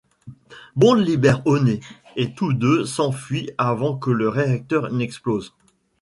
Bond libère Honey, et tous deux s'enfuient avant que le réacteur n'explose.